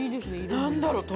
何だろう。